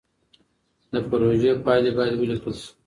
د پروژو پايلې بايد وليکل سي.